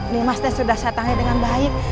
nimasnya sudah saya tangani dengan baik